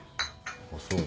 あっそう。